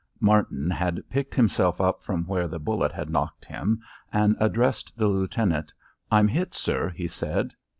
IV Martin had picked himself up from where the bullet had knocked him and addressed the lieutenant. "I'm hit, sir," he said.